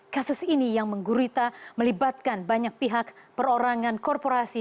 kasus ini yang menggurita melibatkan banyak pihak perorangan korporasi